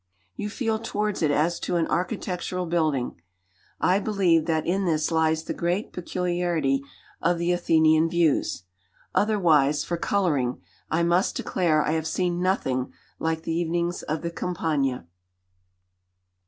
You feel towards it as to an architectural building. I believe that in this lies the great peculiarity of the Athenian views. Otherwise, for colouring, I must declare I have seen nothing like the evenings of the Campagna.